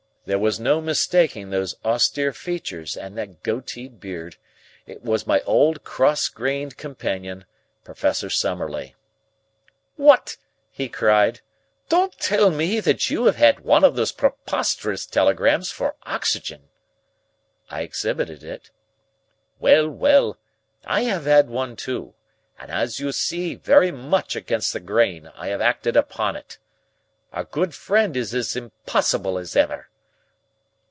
There was no mistaking those austere features and that goatee beard. It was my old cross grained companion, Professor Summerlee. "What!" he cried. "Don't tell me that you have had one of these preposterous telegrams for oxygen?" I exhibited it. "Well, well! I have had one too, and, as you see, very much against the grain, I have acted upon it. Our good friend is as impossible as ever.